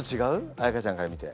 彩歌ちゃんから見て。